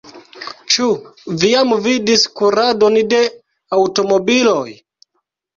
Ĉu vi jam vidis kuradon de aŭtomobiloj?